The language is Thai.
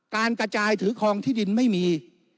การกระจายถือคลองที่ดินไม่มี